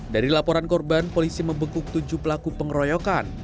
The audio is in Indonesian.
dari laporan korban polisi membekuk tujuh pelaku pengeroyokan